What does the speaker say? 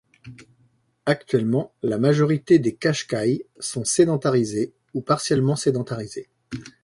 Actuellement la majorité des Kachkaïs sont sédentarisés ou partiellement sédentarisés.